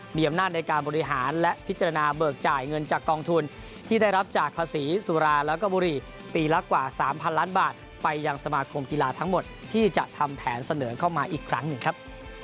มีอำนาจในการบริหารและพิจารณาเบิกจ่ายเงินจากกองทุนที่ได้รับจากภาษีสุราแล้วก็บุรีปีละกว่า๓๐๐ล้านบาทไปยังสมาคมกีฬาทั้งหมดที่จะทำแผนเสนอเข้ามาอีกครั้งหนึ่งครับ